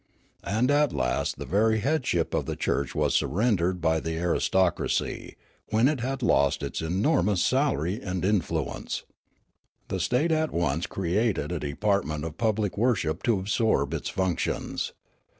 And at last the very headship of the church w as surrendered by the aristocracy, when it had lost its enormous salary and influence. The state at once created a department of public worship to absorb its functions.